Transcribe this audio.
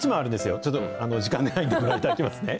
ちょっと時間がないのでいきますね。